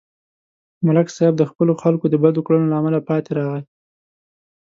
ملک صاحب د خپلو خلکو د بدو کړنو له امله پاتې راغی